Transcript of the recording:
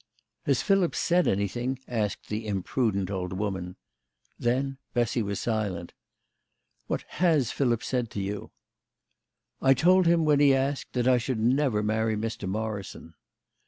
" Has Philip said anything ?" asked the imprudent old woman. Then Bessy was silent. " What has Philip said to you ?"" I told him, when he asked, that I should never marry Mr. Morrison."